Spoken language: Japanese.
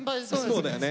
そうだよね。